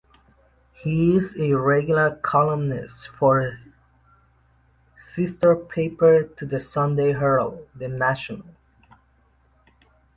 He is a regular columnist for sister paper to the Sunday Herald, The National.